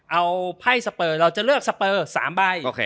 เอาไพ่สเปอร์เราจะเลือกสเปอร์๓ใบ